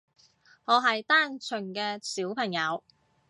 我係單純嘅小朋友